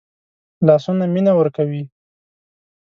لاسونه مینه ورکوي